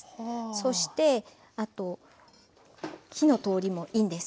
そしてあと火の通りもいいんです。